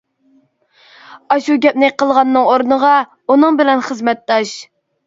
ئاشۇ گەپنى قىلغاننىڭ ئورنىغا ئۇنىڭ بىلەن خىزمەتداش.